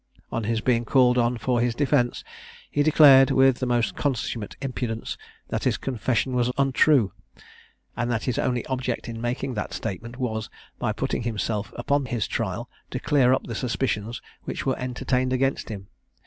On his being called on for his defence, he declared, with the most consummate impudence, that his confession was untrue; and that his only object in making that statement was, by putting himself upon his trial, to clear up the suspicions which were entertained against him.